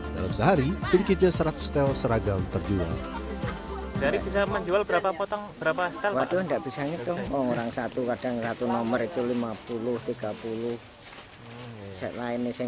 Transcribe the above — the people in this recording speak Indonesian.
dalam sehari sedikitnya seratus tel seragam terjual